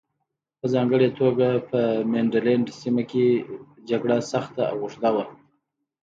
په ځانګړې توګه په مینډلنډ سیمه کې جګړه سخته او اوږده وه.